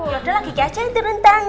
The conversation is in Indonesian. udah lah kiki aja yang turun tangan